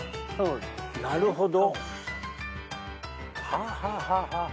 なるほど。